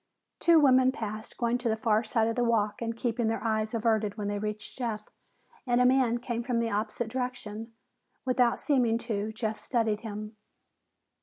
Two women passed, going to the far side of the walk and keeping their eyes averted when they reached Jeff, and a man came from the opposite direction. Without seeming to, Jeff studied him.